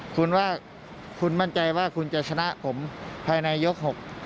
คุณว่าคุณมั่นใจว่าคุณจะชนะผมภายในยก๖